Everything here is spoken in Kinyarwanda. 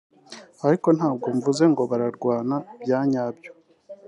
ariko ntabwo mvuze ngo bararwana bya nyabyo